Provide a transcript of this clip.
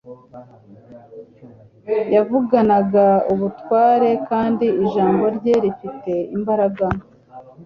Yavuganaga ubutware kandi ijambo rye rifite imbaraga.